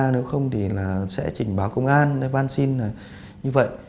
nếu không thì sẽ trình báo công an văn xin như vậy